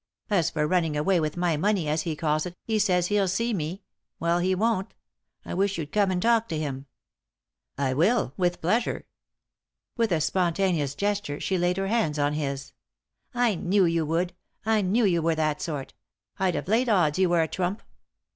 As for running away with my money, 238 ;«y?e.c.V GOOglC THE INTERRUPTED KISS as he calls it, he says hell see me — well, he won't. I wish you'd come and talk to him." "I will, with pleasure." With a spontaneous gesture she laid her hands on his. « I knew you would ; I knew you were that sort ; I'd have laid odds you were a trump.